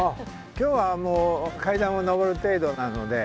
今日は階段を登る程度なので。